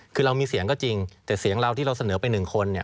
คือเรามีเสียงก็จริงแต่เสียงเราที่เราเสนอไปหนึ่งคนเนี่ย